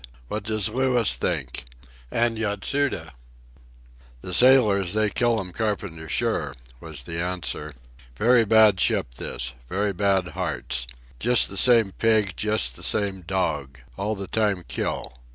"What does Louis think?—and Yatsuda?" "The sailors, they kill 'm carpenter sure," was the answer. "Very bad ship this. Very bad hearts. Just the same pig, just the same dog. All the time kill.